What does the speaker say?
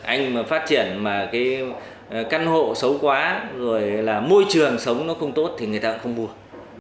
anh mà phát triển mà căn hộ xấu quá môi trường sống nó không tốt thì người ta cũng không buồn